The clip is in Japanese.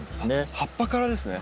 葉っぱからですね。